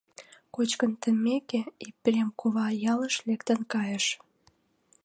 Кочкын теммеке, Епрем кува ялыш лектын кайыш.